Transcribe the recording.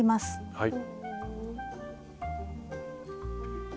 はい。